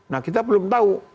nah kita belum tahu